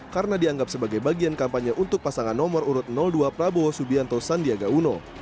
karena dianggap sebagai bagian kampanye untuk pasangan nomor urut dua prabowo subianto sandiaga uno